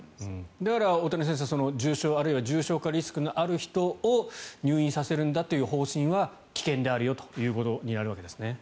だから大谷先生、重症あるいは重症化リスクのある人を入院させるんだという方針は危険だということですよね。